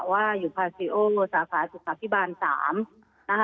ว่าอยู่พาซีโอสาขาสุขภิบาล๓นะคะ